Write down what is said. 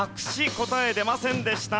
答え出ませんでした。